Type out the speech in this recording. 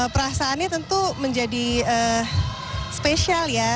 perasaannya tentu menjadi spesial ya